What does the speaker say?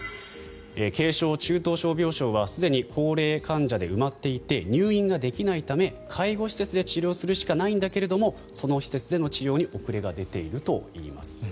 軽症・中等症病床はすでに高齢患者で埋まっていて入院ができないため介護施設で治療するしかないんだけどその施設での治療に遅れが出ているといいます。